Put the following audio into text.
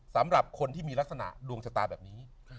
สำหรับคนที่มีลักษณะดวงชะตาแบบนี้